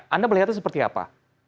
anda melihatnya seperti apa